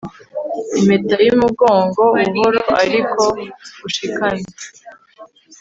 impeta yumugongo buhoro ariko ushikamye